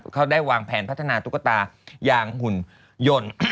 เขาได้วางแผนพัฒนาตุ๊กตายางหุ่นยนต์